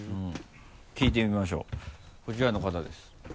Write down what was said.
聞いてみましょうこちらの方です